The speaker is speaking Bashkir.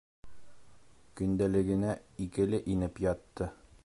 Көндәлегенә «икеле» инеп ятты.